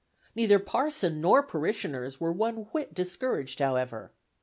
Neither parson nor parishioners were one whit discouraged, however.